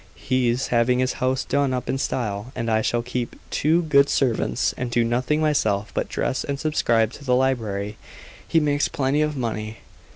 "He's having his house done up in style, and I shall keep two good servants, and do nothing myself but dress and subscribe to the library. He makes plenty of money."